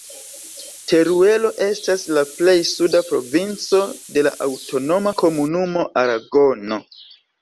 Teruelo estas la plej suda provinco de la Aŭtonoma Komunumo Aragono.